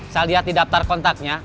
saya lihat di daftar kontaknya